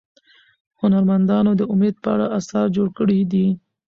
هنرمندانو د امید په اړه اثار جوړ کړي دي.